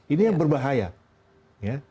ini yang berbahaya